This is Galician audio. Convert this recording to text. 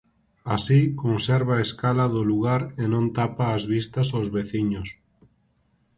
Así, conserva a escala do lugar e non tapa as vistas aos veciños.